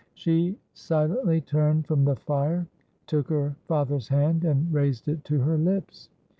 She silently turned from the fire, took her father's hand, and raised it to her lips.